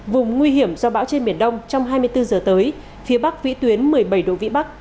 vùng nguy hiểm do bão trên biển đông trong hai mươi bốn giờ tới phía bắc vĩ tuyến một mươi bảy độ vĩ bắc